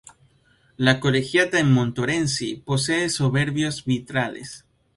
La Colegiata de Montmorency posee soberbios vitrales.